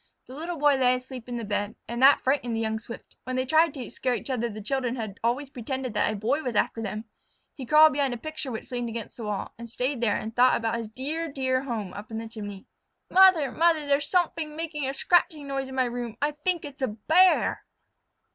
The Little Boy lay asleep in the bed, and that frightened the young Swift. When they tried to scare each other the children had always pretended that a Boy was after them. He crawled behind a picture which leaned against the wall, and stayed there and thought about his dear, dear home up in the chimney. The Little Boy stirred and awakened and called out: "Mother! Mother! There is somefing making a scratching noise in my room. I fink it is a Bear."